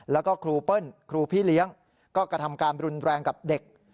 แล้วก็ครูเปิ้ลครูพี่เลี้ยงก็กระทำการรุนแรงกับเด็ก